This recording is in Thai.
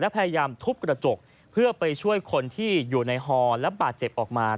พยายามทุบกระจกเพื่อไปช่วยคนที่อยู่ในฮอและบาดเจ็บออกมา